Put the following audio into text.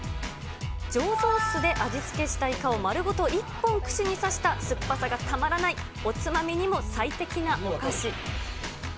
醸造酢で味付けしたいかを丸ごと１本串に刺した酸っぱさがたまらない、おつまみにも最適なお菓子。